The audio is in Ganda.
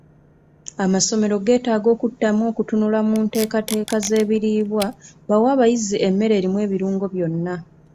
Amasomero geetaaga okuddamu okutunula mu nteekateeza z'ebiriibwa bawe abayizi emmere erimu ebirungo byonna.